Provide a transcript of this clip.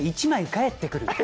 １枚返ってくる。